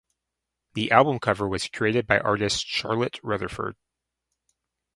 The album cover was created by artist Charlotte Rutherford.